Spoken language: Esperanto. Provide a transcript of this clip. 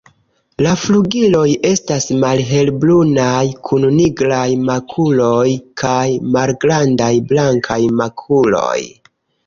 La flugiloj estas malhelbrunaj kun nigraj makuloj kaj malgrandaj blankaj makuloj.